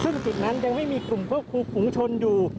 ซึ่งจุดนั้นยังไม่มีกลุ่มเพิ่มภูมิภูมิชนอยู่